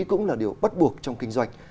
cũng là điều bắt buộc trong kinh doanh